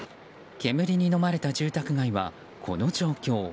煙にのまれた住宅街はこの状況。